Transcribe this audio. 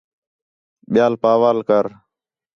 ٻِیال پا وال کر